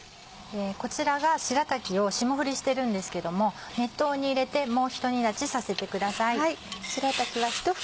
こちらがしらたきを霜降りしてるんですけども熱湯に入れてもうひと煮立ちさせてください。